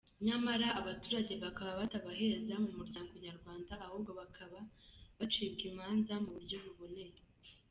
Nyamara abaturage bakaba batabaheza mu Muryango Nyarwanda, ahubwo bakaba bacibwa imanza mu buryo buboneye.